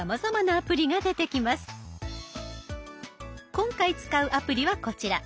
今回使うアプリはこちら。